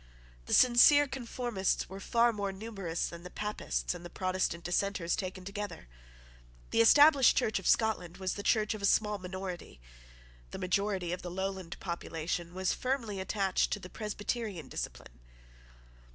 The sincere conformists were far more numerous than the Papists and the Protestant Dissenters taken together. The Established Church of Scotland was the Church of a small minority. The majority of the lowland population was firmly attached to the Presbyterian discipline.